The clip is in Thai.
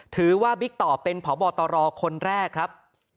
บิ๊กต่อเป็นพบตรคนแรกครับ